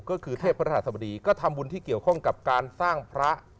ก็คือเทพพระหัสบดีก็ทำบุญที่เกี่ยวข้องกับการสร้างพระ